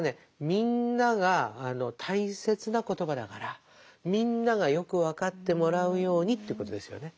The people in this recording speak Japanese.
みんなが大切な言葉だからみんながよく分かってもらうようにということですよね。